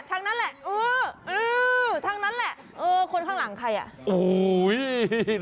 เออเออทางนั้นแหละเออคนข้างหลังใคร